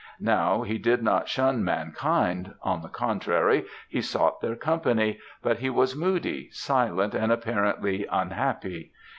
Now, he did not shun mankind; on the contrary, he sought their company; but he was moody, silent, and apparently unhappy.